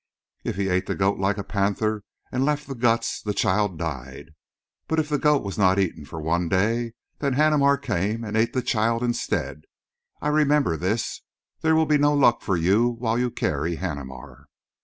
If he ate the goat like a panther and left the guts the child died. But if the goat was not eaten for one day then Haneemar came and ate the child instead. I remember this. There will be no luck for you while you carry Haneemar."